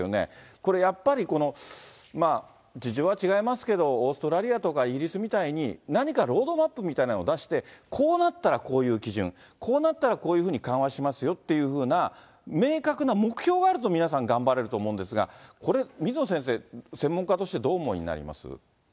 これやっぱり事情は違いますけれども、オーストラリアとかイギリスみたいに何かロードマップみたいなのを出して、こうなったらこういう基準、こうなったらこういうふうに緩和しますっていうふうな、明確な目標があると、皆さん頑張れると思うんですが、水野先生、専門家としてどうお思いになります？